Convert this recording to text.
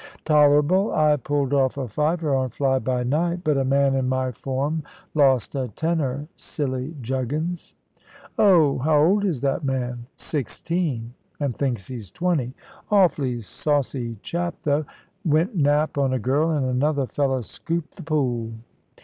"Tolerable! I pulled off a fiver on Fly by Night; but a man in my form lost a tenner, silly juggins." "Oh! How old is that man?" "Sixteen, and thinks he's twenty. Awfully saucy chap though. Went nap on a girl, and another fella' scooped th' pool."